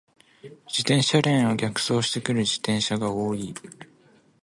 自転車レーンを逆走してくる自転車が多い。